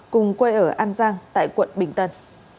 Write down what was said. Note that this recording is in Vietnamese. cùng quê ở an giang tại quận bình tân